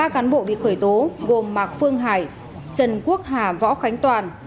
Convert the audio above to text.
ba cán bộ bị khởi tố gồm mạc phương hải trần quốc hà võ khánh toàn